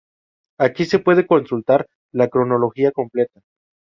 Aquí se puede consultar la cronología completa.